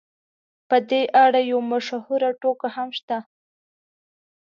په دې اړه یوه مشهوره ټوکه هم شته.